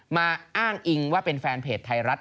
อ้างอิงว่าเป็นแฟนเพจไทยรัฐ